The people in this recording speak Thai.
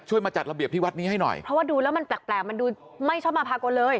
มาจัดระเบียบที่วัดนี้ให้หน่อยเพราะว่าดูแล้วมันแปลกมันดูไม่ชอบมาพากลเลย